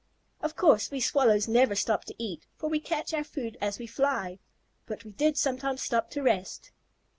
Of course we Swallows never stop to eat, for we catch our food as we fly, but we did sometimes stop to rest.